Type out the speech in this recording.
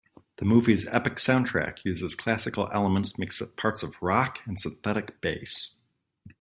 The movie's epic soundtrack uses classical elements mixed with parts of rock and synthetic bass.